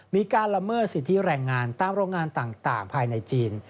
มีการละเมิดสิทธิแรงงานตามโรงงานต่างภายในจีน